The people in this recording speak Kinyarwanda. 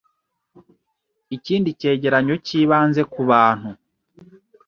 Ikindi cyegeranyo, cyibanze ku bantu